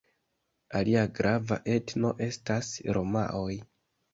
Alia grava etno estas romaoj.